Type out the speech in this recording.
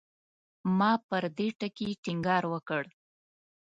ما پر دې ټکي ټینګار وکړ.